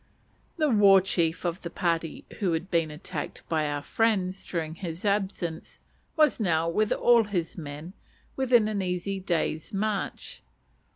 The war chief of the party who had been attacked by our friends during his absence, was now, with all his men, within an easy day's march.